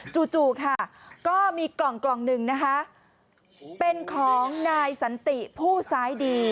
จู่ค่ะก็มีกล่องกล่องหนึ่งนะคะเป็นของนายสันติผู้ซ้ายดี